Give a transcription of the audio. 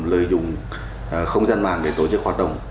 lợi dụng không gian mạng để tổ chức hoạt động